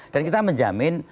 dan kita menjamin